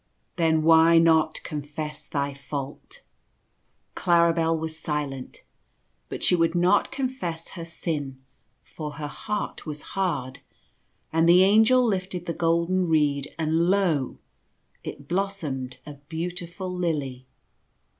" Then why not confess thy fault ?" Claribel was silent; but she would not confess her sin, for her heart was hard, and the Angel lifted the golden reed, and lo ! it blossomed a beautiful lily.